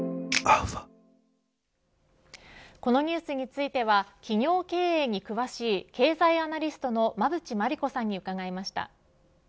このニュースについては企業経営に詳しい経済アナリストの馬渕磨理子さんに伺いました。